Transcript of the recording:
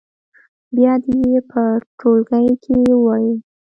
بیا دې یې په ټولګي کې ووايي.